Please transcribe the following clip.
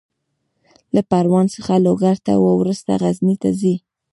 له پروان څخه لوګر ته، وروسته غزني ته ځي.